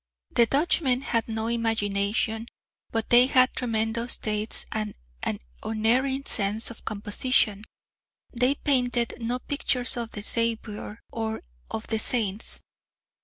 The Dutchmen had no imagination, but they had tremendous taste and an unerring sense of composition; they painted no pictures of the Saviour or of the Saints....